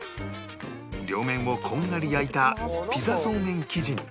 両面をこんがり焼いたピザそうめん生地に